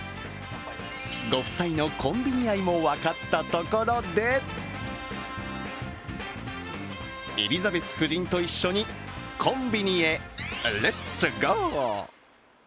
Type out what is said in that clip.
ご夫妻のコンビニ愛も分かったところでエリザベス夫人と一緒にコンビニへ、レッツゴー！